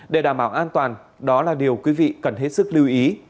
để đảm bảo an toàn đó là điều quý vị cần hết sức lưu ý